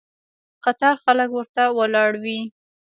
قطار خلک ورته ولاړ وي.